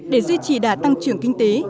để duy trì đạt tăng trưởng kinh tế